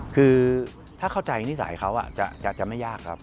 คือถ้าเข้าใจนิสัยเขาอาจจะไม่ยากครับ